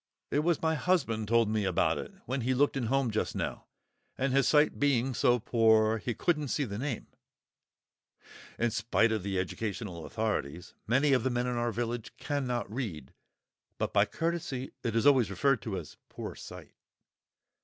"It was my husband told me about it, when he looked in home just now, and his sight being so poor, he couldn't see the name" (in spite of the Educational Authorities many of the men in our village cannot read, but by courtesy it is always referred to as poor sight!)